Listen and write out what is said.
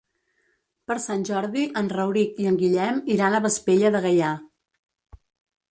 Per Sant Jordi en Rauric i en Guillem iran a Vespella de Gaià.